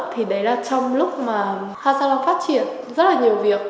thì đấy là trong lúc mà hasalam phát triển rất là nhiều việc